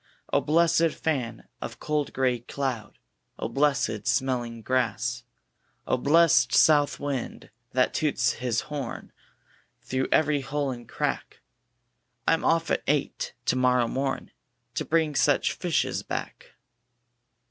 O blessed fan of cold gray cloud! O blessed smelling grass! O bless'd South wind that toots his horn Through every hole and crack! I'm off at eight to morrow morn, To bring such fishes back!